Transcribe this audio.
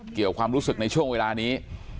เกี่ยวความรู้สึกในช่วงเวลานี้